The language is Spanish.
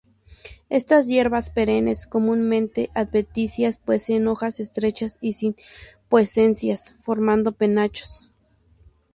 Estas hierbas perennes comúnmente adventicias, poseen hojas estrechas y sin pubescencia, formando penachos.